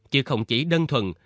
chứ không chỉ đơn thuần